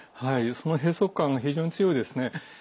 その閉塞感が非常に強いですね。